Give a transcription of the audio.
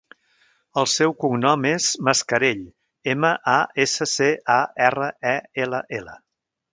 El seu cognom és Mascarell: ema, a, essa, ce, a, erra, e, ela, ela.